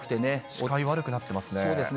視界悪くなってますね。